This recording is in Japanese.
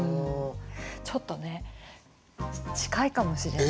ちょっとね近いかもしれない。